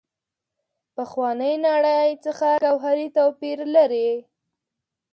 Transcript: پخوانۍ نړۍ څخه ګوهري توپیر لري.